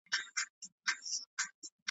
زما یې خټه ده اخیستې د خیام د خُم له خاورو .